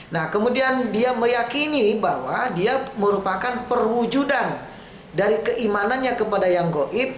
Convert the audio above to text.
nah kemudian dia meyakini bahwa dia merupakan perwujudan dari keimanannya kepada yang goib